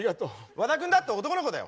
和田君だって男の子だよ！